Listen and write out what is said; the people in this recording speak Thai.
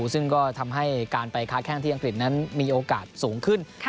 ซึ่งก็ทำให้การไปค้าแข้งที่อังกฤษนั้นมีโอกาสสูงขึ้น